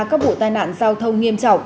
các bộ tai nạn giao thông nghiêm trọng